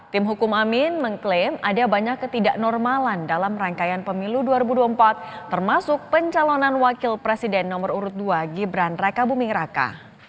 tim hukum amin mengklaim ada banyak ketidaknormalan dalam rangkaian pemilu dua ribu dua puluh empat termasuk pencalonan wakil presiden nomor urut dua gibran raka buming raka